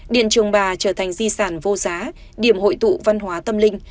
điện trường bà trở thành di sản vô giá điểm hội tụ văn hóa tâm linh